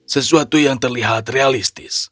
sesuatu yang terlihat realistis